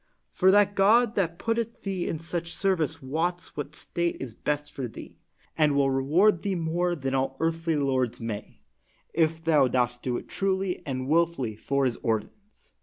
For that God that putteth thee in such service wots what state is best for thee, and will reward thee more than all earthly lords may, if 9 THE WORLD'S FAMOUS ORATIONS thou dost it truly and wilfully for His ordinance.